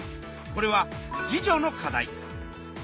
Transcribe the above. これは自助の課題。